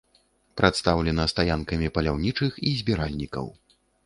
Прадстаўлена стаянкамі паляўнічых і збіральнікаў.